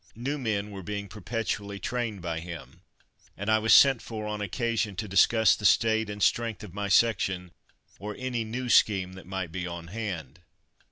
New men were being perpetually trained by him, and I was sent for on occasion to discuss the state and strength of my section, or any new scheme that might be on hand.